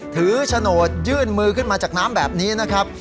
โฉนดยื่นมือขึ้นมาจากน้ำแบบนี้นะครับ